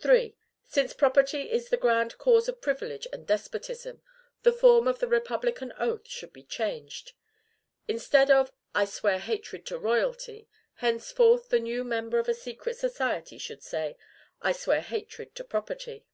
3. Since property is the grand cause of privilege and despotism, the form of the republican oath should be changed. Instead of, "I swear hatred to royalty," henceforth the new member of a secret society should say, "I swear hatred to property."